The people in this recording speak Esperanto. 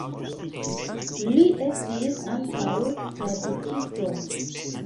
Li estis ankaŭ tradukisto.